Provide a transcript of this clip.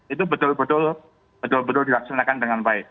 itu betul betul dilaksanakan dengan baik